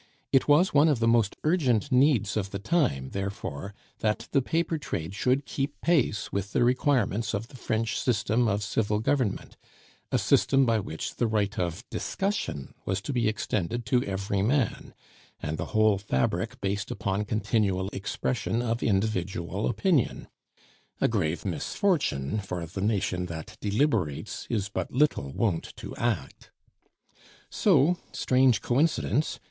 It was one of the most urgent needs of the time, therefore, that the paper trade should keep pace with the requirements of the French system of civil government, a system by which the right of discussion was to be extended to every man, and the whole fabric based upon continual expression of individual opinion; a grave misfortune, for the nation that deliberates is but little wont to act. So, strange coincidence!